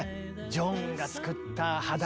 ジョンが作った派だ